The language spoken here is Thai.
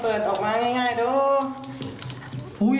เปิดออกมาง่ายดู